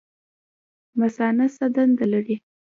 مثانه څه دنده لري؟